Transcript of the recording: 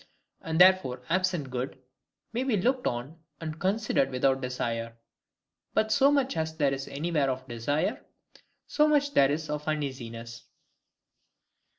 And therefore absent good may be looked on and considered without desire. But so much as there is anywhere of desire, so much there is of uneasiness.